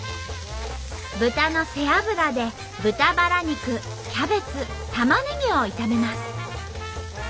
豚の背脂で豚バラ肉キャベツたまねぎを炒めます。